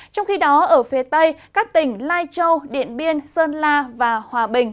trong khi đó ở phía tây các tỉnh lai châu điện biên sơn la và hòa bình